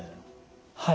はい。